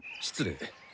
失礼。